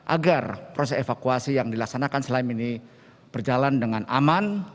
agar proses evakuasi yang dilaksanakan selama ini berjalan dengan aman